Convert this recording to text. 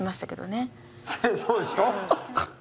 そうでしょう。